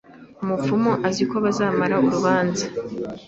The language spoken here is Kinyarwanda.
Umupfumu azi ko bazamara urubanza